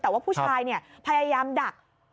แต่ว่าผู้ชายพยายามดัก